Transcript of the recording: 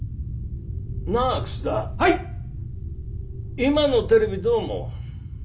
今のテレビどう思う？